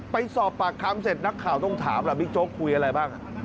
ไปสอบปากคำเสร็จนักข่าวต้องถามล่ะบิ๊กโจ๊กคุยอะไรบ้าง